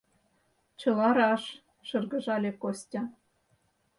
— Чыла раш, — шыргыжале Костя.